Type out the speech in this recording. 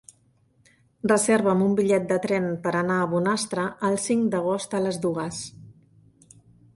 Reserva'm un bitllet de tren per anar a Bonastre el cinc d'agost a les dues.